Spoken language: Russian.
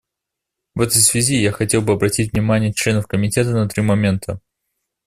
В этой связи я хотел бы обратить внимание членов Комитета на три момента.